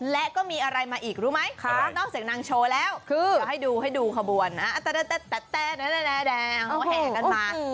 และก็มีอะไรมาอีกรู้ไหมนอกเสียงนางโชว์แล้วให้ดูขบวนแหกันมา